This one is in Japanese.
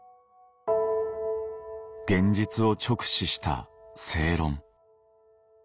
「現実を直視した正論」